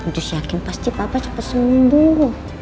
justru yakin pasti papa cepet sembuh